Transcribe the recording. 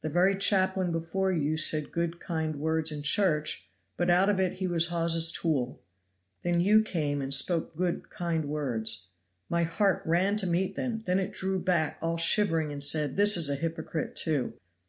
"The very chaplain before you said good, kind words in church, but out of it he was Hawes' tool! Then you came and spoke good, kind words. My heart ran to meet them; then it drew back all shivering and said, this is a hypocrite, too!